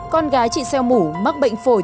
con gái chị xeo mủ mắc bệnh phổi